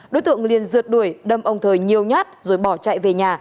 đối tượng liền rượt đuổi đâm ông thời nhiều nhát rồi bỏ chạy về nhà